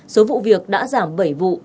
số vụ việc đã giảm bảy vụ